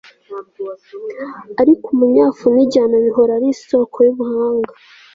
ariko umunyafu n'igihano bihora ari isoko y'ubuhanga